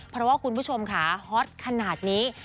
เพราะว่าคุณผู้ชมค่ะฮอตขนาดนี้